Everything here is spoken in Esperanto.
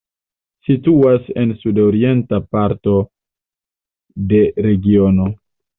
Situas en sudorienta parto de regiono.